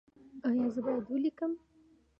ایا زه باید ولیکم؟